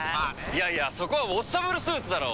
「いやいやそこはウォッシャブルスーツだろ」